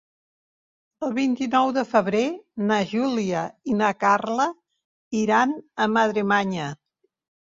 El vint-i-nou de febrer na Júlia i na Carla iran a Madremanya.